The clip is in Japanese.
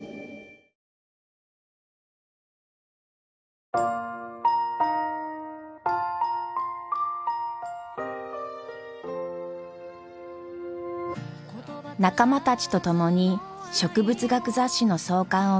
仲間たちと共に植物学雑誌の創刊を目指す万太郎。